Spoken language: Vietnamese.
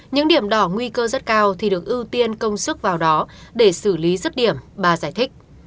những điểm đỏ nguy cơ rất cao thì được ưu tiên công sức vào đó để xử lý rứt điểm bà giải thích